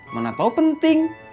mana tau penting